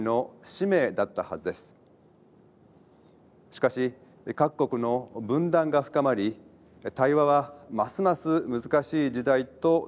しかし各国の分断が深まり対話はますます難しい時代となっています。